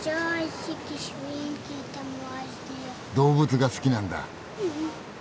動物が好きなんだ？